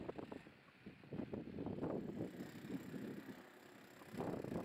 ukeneye ubumenyi ku kibonezamvugo mu kinyarwanda